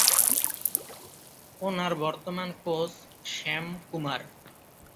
ওনার বর্তমান কোচ শ্যাম কুমার।